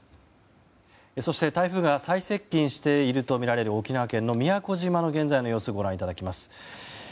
そして台風が最接近しているとみられる沖縄県の宮古島の現在の様子をご覧いただきます。